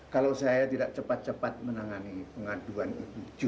kalau saya tidak cepat cepat menangani pengaduan ibu ju